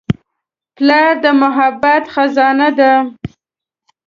پلار د محبت خزانه ده.